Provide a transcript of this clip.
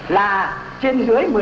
là trên dưới